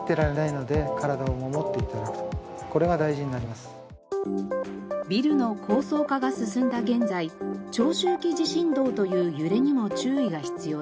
まずはビルの高層化が進んだ現在長周期地震動という揺れにも注意が必要です。